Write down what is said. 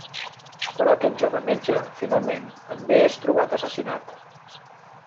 Però aquest jove metge finalment també és trobat assassinat.